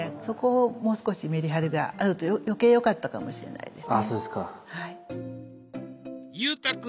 そこをもう少しメリハリがあると余計良かったかもしれないですね。